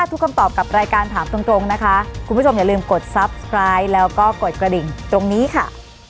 หมดเวลารายการวันนี้แล้วนะคะสวัสดีค่ะ